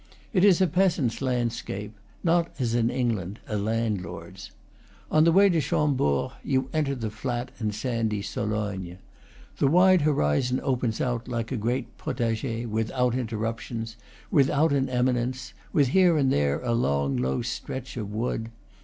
It is a peasant's landscape; not, as in England, a landlord's. On the way to Cham bord you enter the flat and sandy Sologne. The wide horizon opens out like a great potager, without inter ruptions, without an eminence, with here and there a long, low stretch of wood.